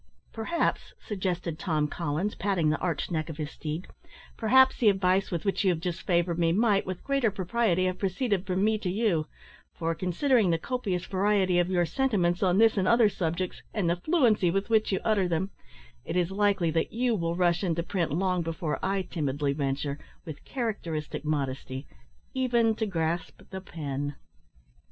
"Perhaps," suggested Tom Collins, patting the arched neck of his steed "perhaps the advice with which you have just favoured me might, with greater propriety, have proceeded from me to you; for, considering the copious variety of your sentiments on this and other subjects, and the fluency with which you utter them, it is likely that you will rush into print long before I timidly venture, with characteristic modesty, even to grasp the pen!"